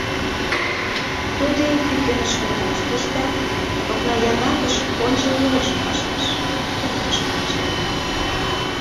Тудо ик пӱкенышке тӧрштыш да окна янакыш ончыл йолжым пыштыш, уремышке ончале.